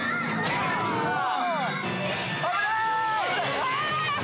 危なーい！